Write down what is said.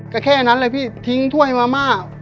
ก็แค่นั้นเลยพี่ทิ้งถ้วยมาม่า